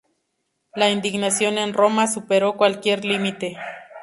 La indignación en Roma superó cualquier límite.